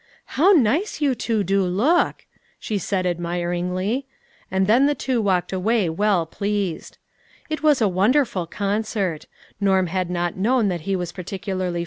" How nice yon two do look !" she said admiringly ; and then the two walked away well pleased. It was a wonderful concert. Norm had not known that he was particularly 268 LITTLE FISHERS.'